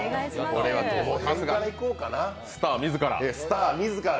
春日、スター自ら。